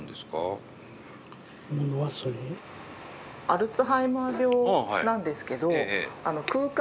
アルツハイマー病なんですけど。